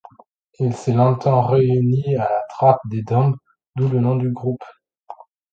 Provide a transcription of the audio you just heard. Il s'est longtemps réuni à la Trappe des Dombes, d’où le nom du groupe.